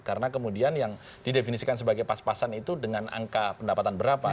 karena kemudian yang didefinisikan sebagai pas pasan itu dengan angka pendapatan berapa